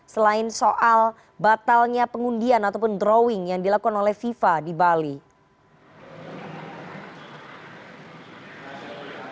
selain soal batalnya pengundian ataupun drawing yang dilakukan oleh fifa di bali